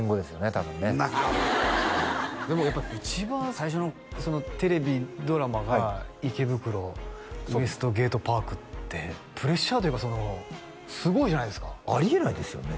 多分ねでもやっぱり一番最初のテレビドラマが「池袋ウエストゲートパーク」ってプレッシャーというかそのすごいじゃないですかあり得ないですよね